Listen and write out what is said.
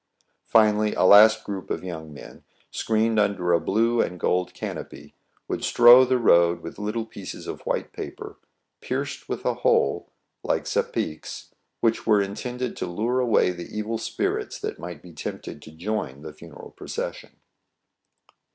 Finally, a last group of young men, screened under a blue and gold canopy, would strew the road with little pieces of white paper, pierced with a hole like sapeques, which were intended to lure away the evil spirits that might be tempted to join the funeral proces sion.